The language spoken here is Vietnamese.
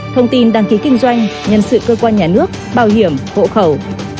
thông tin đăng ký kinh doanh nhân sự cơ quan nhà nước bảo hiểm hộ khẩu